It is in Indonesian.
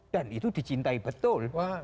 dan itu dicintai betul